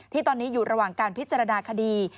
ที่ตอนนี้อยู่ระหว่างการพิจารณาคดี